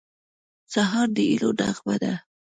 سهار د هیلو نغمه ده.